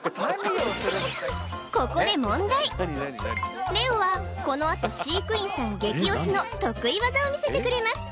ここで問題レオはこのあと飼育員さん激推しの得意技を見せてくれます